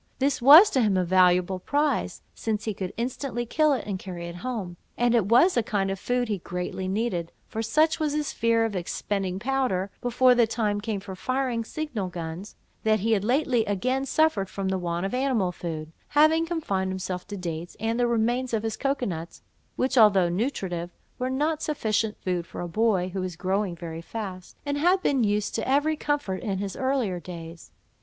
This was to him a valuable prize, since he could instantly kill it, and carry it home; and it was a kind of food he greatly needed, for such was his fear of expending powder, before the time came for firing signal guns, that he had lately again suffered for the want of animal food, having confined himself to dates, and the remains of his cocoa nuts, which although nutritive, were not sufficient food for a boy who was growing very fast, and had been used to every comfort in his earlier days.